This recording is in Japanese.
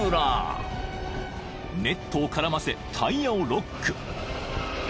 ［ネットを絡ませタイヤをロック］